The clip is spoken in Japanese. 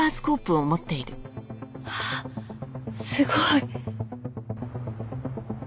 わあすごい。